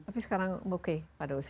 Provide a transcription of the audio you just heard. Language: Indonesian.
tapi sekarang oke pada usia